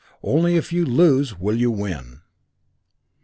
Only if you lose will you win."